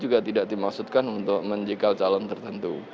jadi ini tidak dimaksudkan untuk menjikal calon tertentu